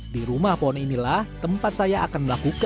di rumah pohon inilah tempat saya akan melakukan